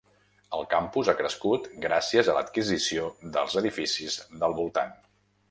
El campus ha crescut gràcies a l'adquisició dels edificis del voltant.